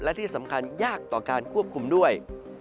และที่สำคัญยากต่อการควบคุมด้วย